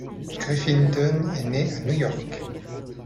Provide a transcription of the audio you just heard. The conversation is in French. Griffin Dunne est né à New York.